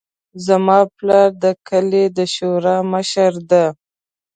زما پلار د کلي د شورا مشر ده